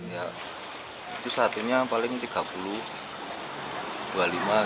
ya itu satunya paling tiga puluh dua puluh lima gitu